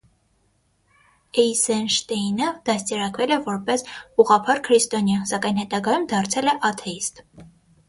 Էյզենշտեյնը դաստիարակվել է որպես ուղղափառ քրիստոնյա, սակայն հետագայում դարձել է աթեիստ։